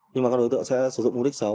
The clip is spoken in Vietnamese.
nhưng mà các đối tượng sẽ sử dụng mục đích xấu